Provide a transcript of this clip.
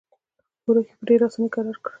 ښورښ یې په ډېره اساني کرار کړ.